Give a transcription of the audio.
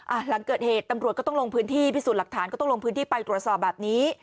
หลังเกิดเหตุตำรวจก็ต้องลงพื้นที่พิสูจน์หลักฐานก็ต้องลงพื้นที่ไปตรวจสอบแบบนี้